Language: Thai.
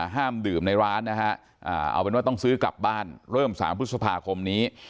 ห้ามดื่มในร้านนะฮะเอาเป็นว่าต้องซื้อกลับบ้านเริ่ม๓พฤษภาคมนี้